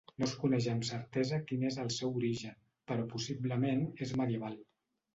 No es coneix amb certesa quin és el seu origen però possiblement és medieval.